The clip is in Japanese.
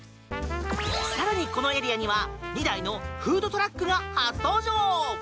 更に、このエリアには２台のフードトラックが初登場。